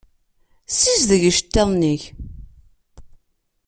Sizdeg iceṭṭiḍen-ik.